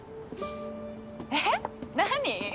えっ何？